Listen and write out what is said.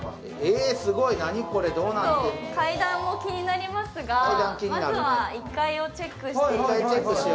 階段も気になりますが、まずは１階をチェックしていきます。